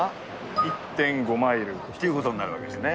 １．５マイル。ということになるわけですね。